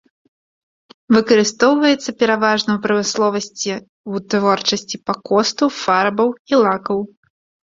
Выкарыстоўваецца пераважна ў прамысловасці ў вытворчасці пакосту, фарбаў і лакаў.